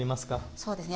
そうですね